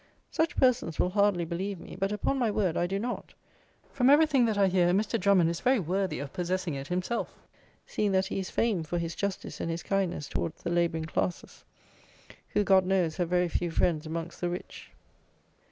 Such persons will hardly believe me, but upon my word I do not. From everything that I hear, Mr. Drummond is very worthy of possessing it himself, seeing that he is famed for his justice and his kindness towards the labouring classes, who, God knows, have very few friends amongst the rich.